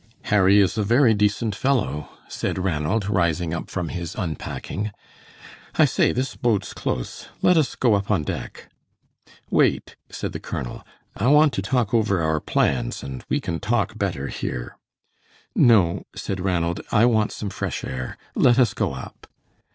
"Harry is a very decent fellow," said Ranald, rising up from his unpacking; "I say, this boat's close. Let us go up on deck." "Wait," said the colonel, "I want to talk over our plans, and we can talk better here." "No," said Ranald; "I want some fresh air. Let us go up."